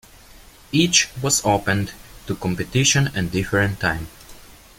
Each was opened to competition at different time.